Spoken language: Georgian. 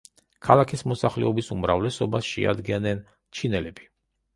ქალაქის მოსახლეობის უმრავლესობას შეადგენენ ჩინელები.